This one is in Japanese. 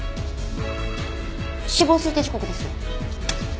死亡推定時刻です。